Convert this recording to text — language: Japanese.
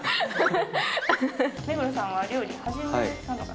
目黒さんは料理始めたのかな？